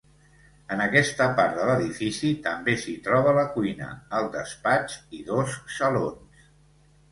En aquesta part de l'edifici també s'hi troba la cuina, el despatx i dos salons.